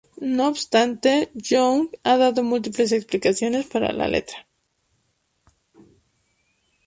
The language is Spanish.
No obstante, Young ha dado múltiples explicaciones para la letra.